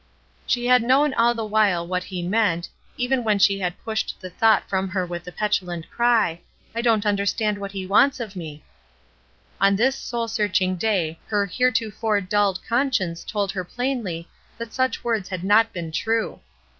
She had known all the while what he meant. " DELIBERATELY, AND FOREVER " 225 even when she had pushed the thought from her with the petulant cry, "I don't understand what he wants of me!'* On this soul search ing day her heretofore dulled conscience told her plainly that such words had not been true.